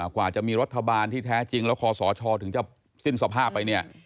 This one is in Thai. กว่าจะมีรัฐบาลที่แท้จริงแล้วคอสชถึงจะสิ้นสภาพไปเนี่ย